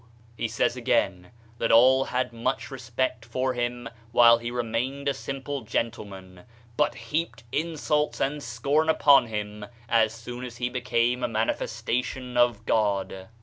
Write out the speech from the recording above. He says again that all had much respect for him while he remained a simple gentleman, but heaped insults and scorn upon him as soon as he became a Manifestation of God